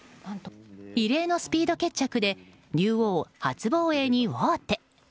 異例のスピード決着で竜王初防衛に王手。